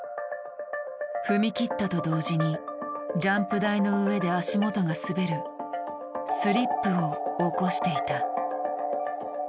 踏み切ったと同時にジャンプ台の上で足元が滑る「スリップ」を起こしていた。